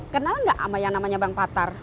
kenal nggak sama yang namanya bang patar